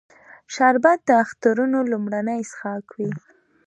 شربت د اخترونو لومړنی څښاک وي